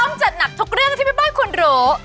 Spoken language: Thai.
จัดหนักทุกเรื่องที่แม่บ้านคุณรู้